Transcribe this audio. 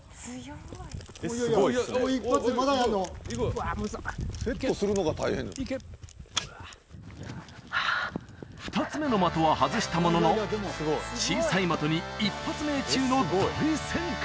うわむず２つ目の的は外したものの小さい的に一発命中の大戦果！